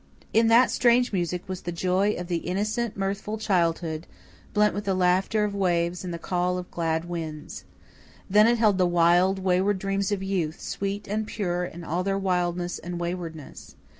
In that strange music was the joy of the innocent, mirthful childhood, blent with the laughter of waves and the call of glad winds. Then it held the wild, wayward dreams of youth, sweet and pure in all their wildness and waywardness.